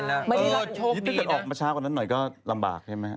อู้ใสลกใสลกไม่ได้หรอกนะโอ้โอ้โภยินดีนะถ้าเก็บออกมาช้ากว่านั้นหน่อยก็ลำบากใช่ไหม